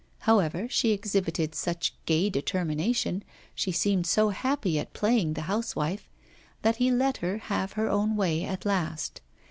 However, she exhibited such gay determination, she seemed so happy at playing the housewife, that he let her have her own way at last.